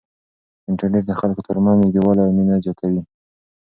انټرنیټ د خلکو ترمنځ نږدېوالی او مینه زیاتوي.